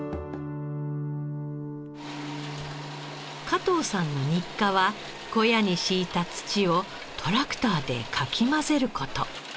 加藤さんの日課は小屋に敷いた土をトラクターでかき混ぜる事。